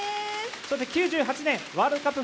９８年ワールドカップ